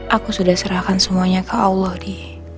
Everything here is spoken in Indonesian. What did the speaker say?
aku sudah serahkan semuanya ke allah di